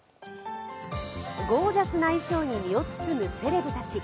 ゴージャスな衣装に身を包むセレブたち。